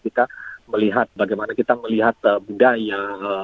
kita melihat bagaimana kita melihat budaya